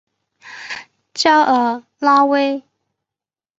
加尔拉韦。